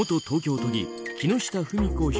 東京都議・木下富美子